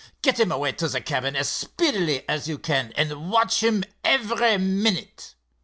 Get him away to the cabin as speedily as you can, and watch him every minute.